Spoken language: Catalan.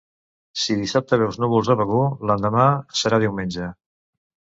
Si dissabte veus núvols a Begur, l'endemà serà diumenge.